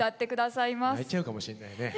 泣いちゃうかもしれないね。